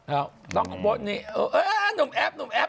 เอ้าลองโพสต์นี่นุ่มแอฟ